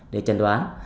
để chẩn đoán